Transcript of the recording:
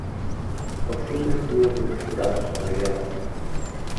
O zume flúe polos buratos da gaiola.